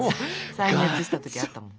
再熱した時あったもん。